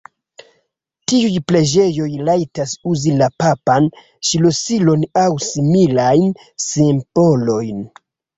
Tiuj preĝejoj rajtas uzi la papan ŝlosilon aŭ similajn simbolojn.